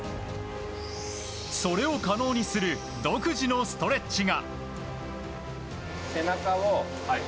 それを可能にする独自のストレッチが。